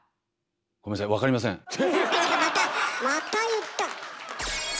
また言った！